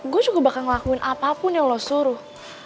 gue juga bakal ngelakuin apapun yang lo suruh